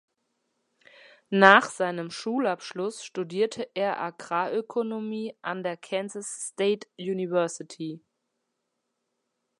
Nach seinem Schulabschluss studierte er Agrarökonomie an der Kansas State University.